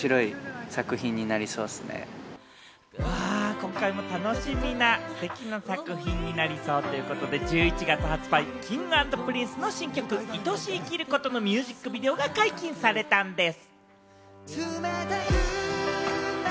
今回も楽しみな出来の作品になりそうで、１１月発売Ｋｉｎｇ＆Ｐｒｉｎｃｅの新曲『愛し生きること』のミュージックビデオが解禁されたんでぃす！